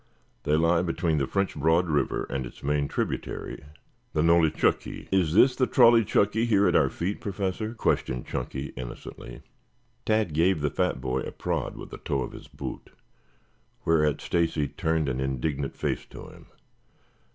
They lie between the French Broad River and its main tributary, the Nolichucky." "Is this the Trolleychucky here at our feet, Professor?" questioned Chunky innocently. Tad gave the fat boy a prod with the toe of his boot, whereat Stacy turned an indignant face to him.